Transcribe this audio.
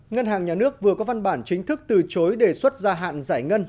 ngân hàng nhà nước vừa có văn bản chính thức từ chối đề xuất gia hạn giải ngân